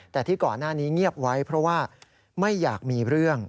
แต่ที่ก่อนหน้านี้เงียบไว้เพราะว่าไม่อยากมีเรื่อง